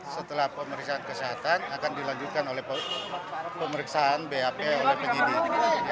setelah pemeriksaan kesehatan akan dilanjutkan oleh pemeriksaan bap oleh penyidik